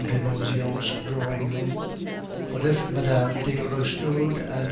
de Beauseant's drawing room. But if Mme. de Restaud and M.